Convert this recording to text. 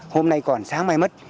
hôm nay còn sáng mai mất